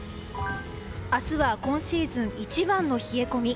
明日は今シーズン一番の冷え込み。